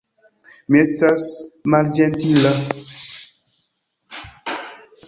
Mi estas malĝentila.